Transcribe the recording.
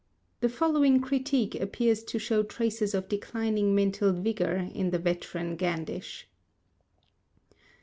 The following critique appears to show traces of declining mental vigour in the veteran Gandish.